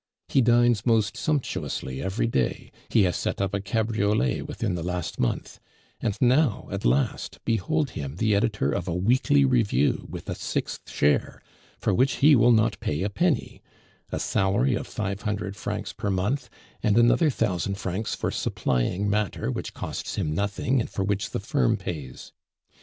He dines most sumptuously every day; he has set up a cabriolet within the last month; and now, at last, behold him the editor of a weekly review with a sixth share, for which he will not pay a penny, a salary of five hundred francs per month, and another thousand francs for supplying matter which costs him nothing, and for which the firm pays.